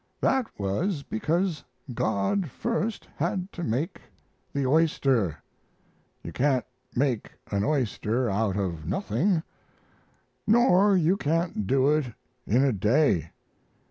That was because God first had to make the oyster. You can't make an oyster out of nothing, nor you can't do it in a day.